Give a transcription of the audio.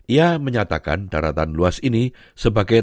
ia menyatakan daratan luas ini sebagai